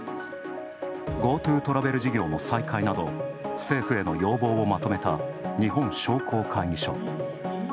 ＧｏＴｏトラベル事業の再開など政府への要望をまとめた日本商工会議所。